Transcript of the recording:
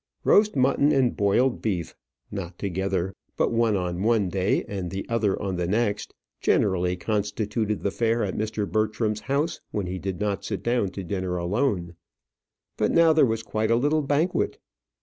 Roast mutton and boiled beef not together, but one on one day and the other on the next generally constituted the fare at Mr. Bertram's house when he did not sit down to dinner alone. But now there was quite a little banquet.